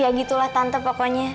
ya gitulah tante pokoknya